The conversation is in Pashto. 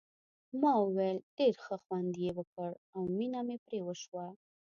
ما وویل ډېر ښه خوند یې وکړ او مینه مې پرې وشوه.